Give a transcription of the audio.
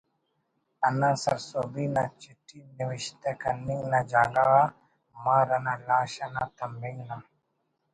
انا سرسہبی نا چٹھی نوشتہ کننگ نا جاگہ غا مار انا لاش انا تمنگ نا